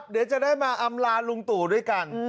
เดี๋ยวจะได้มาอำลาลุงตู่ด้วยกัน